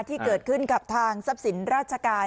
ที่เกิดขึ้นกับทางทรัพย์สินราชการ